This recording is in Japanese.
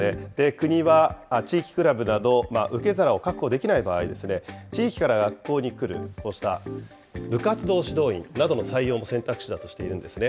国は、地域クラブなど受け皿を確保できない場合、地域から学校に来る、こうした部活動指導員などの採用も選択肢だとしているんですね。